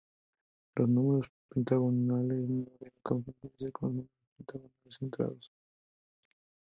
Los números pentagonales no deben confundirse con los números pentagonales centrados.